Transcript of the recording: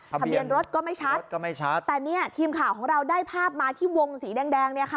ทะเบียนรถก็ไม่ชัดก็ไม่ชัดแต่เนี่ยทีมข่าวของเราได้ภาพมาที่วงสีแดงเนี่ยค่ะ